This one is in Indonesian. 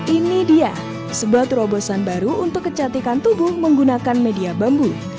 ini dia sebuah terobosan baru untuk kecantikan tubuh menggunakan media bambu